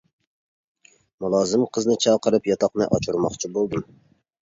مۇلازىم قىزنى چاقىرىپ ياتاقنى ئاچۇرماقچى بولدۇم.